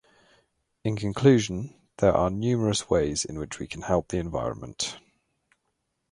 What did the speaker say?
In conclusion, there are numerous ways in which we can help the environment.